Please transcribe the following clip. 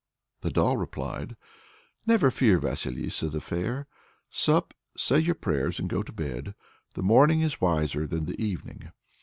The doll replied: "Never fear, Vasilissa the Fair! Sup, say your prayers, and go to bed. The morning is wiser than the evening!"